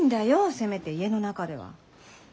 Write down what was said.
せめて家の中では。